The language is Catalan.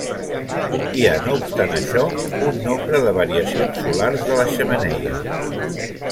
Hi ha no obstant això un nombre de variacions solars de la xemeneia.